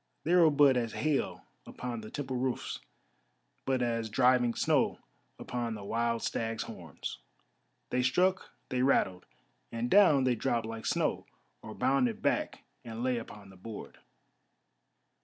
They were but as hail upon the temple roofs, but as driving snow upon the wild stag's horns. They struck, they rattled, and down they dropped like snow, or bounded back and lay upon the board.